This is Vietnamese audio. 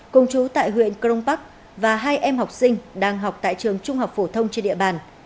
cùng chú tại huyện crong park và hai em học sinh đang học tại trường trung học phổ thông trên địa bàn